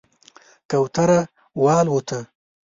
کوتره والوته